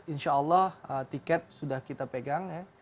insya allah tiket sudah kita pegang ya